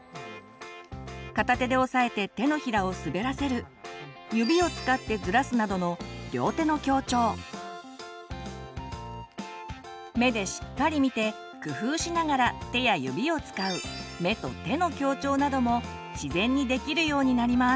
片手で押さえて手のひらを滑らせる指を使ってずらすなどの目でしっかり見て工夫しながら手や指を使う自然にできるようになります。